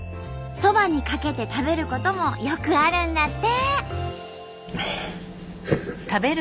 そばにかけて食べることもよくあるんだって。